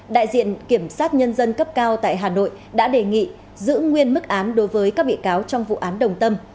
đại diện kiểm sát nhân dân cấp cao tại hà nội đã đề nghị giữ nguyên mức án đối với các bị cáo trong vụ án đồng tâm